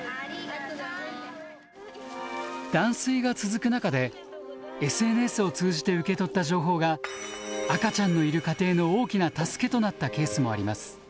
断水が続く中でＳＮＳを通じて受け取った情報が赤ちゃんのいる家庭の大きな助けとなったケースもあります。